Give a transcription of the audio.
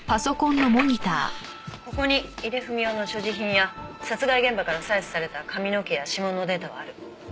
ここに井出文雄の所持品や殺害現場から採取された髪の毛や指紋のデータはある。